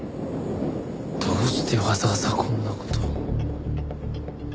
どうしてわざわざこんな事を？